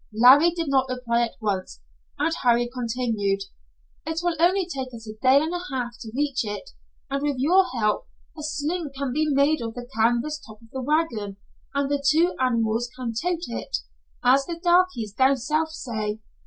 Larry did not reply at once, and Harry continued. "It will only take us a day and a half to reach it, and with your help, a sling can be made of the canvas top of the wagon, and the two animals can 'tote it' as the darkies down South say.